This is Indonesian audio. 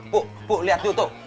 bu bu liat tuh tuh